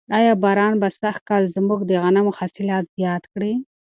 آیا باران به سږکال زموږ د غنمو حاصلات زیات کړي؟